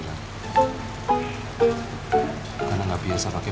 kan enggak biasa pakai